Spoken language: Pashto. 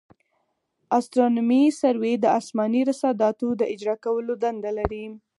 استرونومي سروې د اسماني رصاداتو د اجرا کولو دنده لري